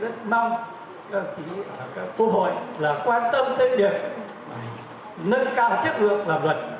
các quốc hội là quan tâm đến việc nâng cao chất lượng làm luật